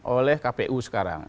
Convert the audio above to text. oleh kpu sekarang